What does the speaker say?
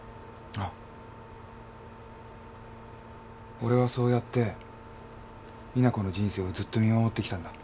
俺はそうやって実那子の人生をずっと見守ってきたんだ。